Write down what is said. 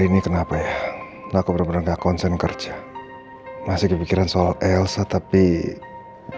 siapa asal membuatmu cium minggir setelah menghasani anda ganzar di hameen